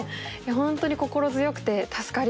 本当に心強くて助かりました。